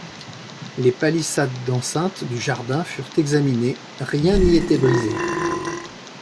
Les palissades d’enceinte du jardin furent examinées, rien n’y était brisé.